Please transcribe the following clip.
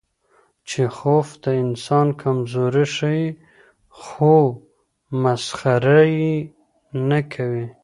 چیخوف د انسان کمزوري ښيي، خو مسخره یې نه کوي.